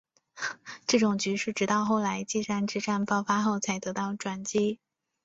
这种局势直到后来稷山之战爆发后才得到转机。